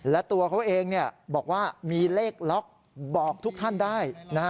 และตัวเขาเองบอกว่ามีเลขล็อกบอกทุกท่านได้